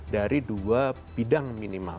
dari dua bidang minimal